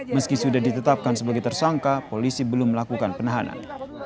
meski sudah ditetapkan sebagai tersangka polisi belum melakukan penahanan